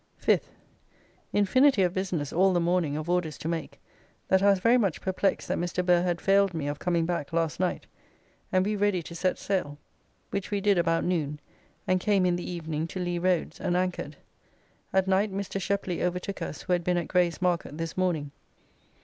5th. Infinity of business all the morning of orders to make, that I was very much perplexed that Mr. Burr had failed me of coming back last night, and we ready to set sail, which we did about noon, and came in the evening to Lee roads and anchored. At night Mr. Sheply overtook us who had been at Gray's Market this morning.